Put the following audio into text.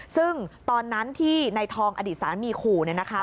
ซึ่งตอนนั้นที่นายทองอดีตสามีขู่